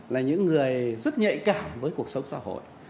là những người rất nhạy cảm với cuộc sống xã hội